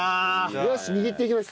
よし握っていきます。